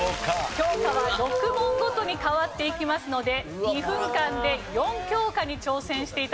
教科は６問ごとに変わっていきますので２分間で４教科に挑戦して頂きます。